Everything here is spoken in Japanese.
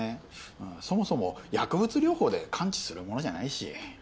うんそもそも薬物療法で完治するものじゃないし。